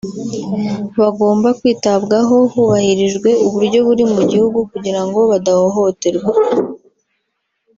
bagomba kwitabwaho hubahirijwe uburyo buri mu gihugu kugira ngo badahohoterwa